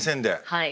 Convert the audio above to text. はい。